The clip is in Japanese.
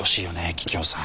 桔梗さん。